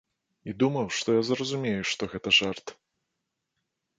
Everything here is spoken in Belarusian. І думаў, што я зразумею, што гэта жарт.